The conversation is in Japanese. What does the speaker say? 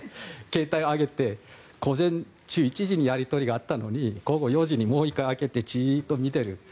携帯を開けて午前中１時にやり取りがあったのに午後４時にもう１回開けてじっと見ている。